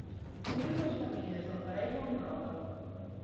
Cobrim les barnilles del paraigua amb roba.